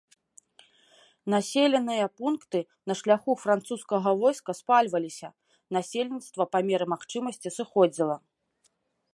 Населеныя пункты на шляху французскага войска спальваліся, насельніцтва па меры магчымасці сыходзіла.